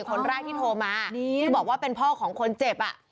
คนร่ายที่โทรมาก็บอกว่าเป็นพ่อของคนเจ็บ